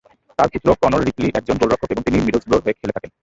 তার পুত্র Conor Ripley একজন গোলরক্ষক এবং তিনি মিডলসব্রোর হয়ে খেলে থাকেন।